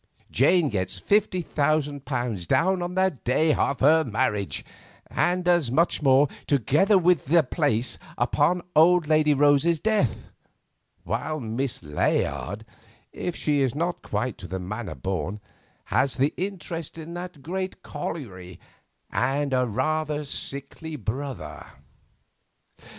Jane gets fifty thousand pounds down on the day of her marriage, and as much more, together with the place, upon old Lady Rose's death; while Miss Layard—if she is not quite to the manner born—has the interest in that great colliery and a rather sickly brother.